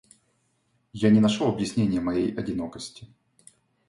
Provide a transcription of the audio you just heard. Я не нашёл объяснения моей одинокости.